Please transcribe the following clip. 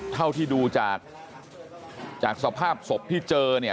เท่าที่ดูจากสภาพศพที่เจอเนี่ย